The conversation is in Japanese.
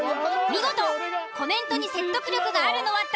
見事コメントに説得力があるのは誰？